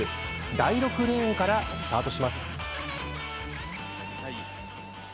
第６レーンからスタートします。